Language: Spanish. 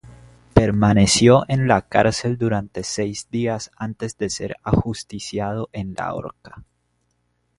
Permaneció en la cárcel durante seis días antes de ser ajusticiado en la horca.